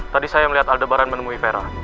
tadi saya melihat aldebaran menemui vera